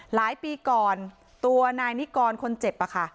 หลายปีก่อนตัวนายนิกรคนเจ็บอะค่ะ